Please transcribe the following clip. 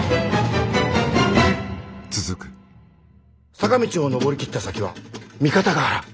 坂道を上り切った先は三方ヶ原。